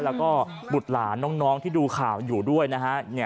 แล้วก็บุตรหลานน้องที่ดูข่าวอยู่ด้วยนะฮะ